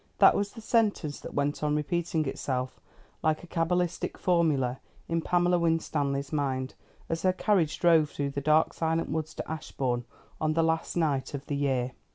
That was the sentence that went on repeating itself like a cabalistic formula in Pamela Winstanley's mind, as her carriage drove through the dark silent woods to Ashbourne on the last night of the year.